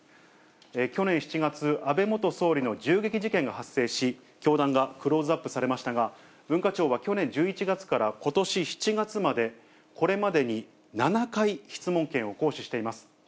去年７月、安倍元総理の銃撃事件が発生し、教団がクローズアップされましたが、文化庁は去年１１月からことし７月まで、これまでに７回、質問権を行使しています。